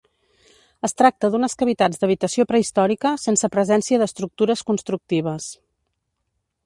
Es tracta d'unes cavitats d'habitació prehistòrica, sense presència d'estructures constructives.